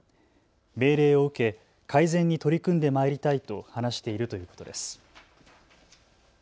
命令を受け改善に取り組んでまいりたいと話しているということです。